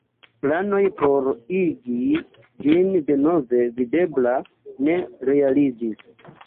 Planoj por igi ĝin denove videbla ne realiĝis.